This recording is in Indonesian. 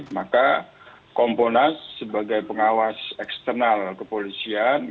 maka komponas sebagai pengawas eksternal kepolisian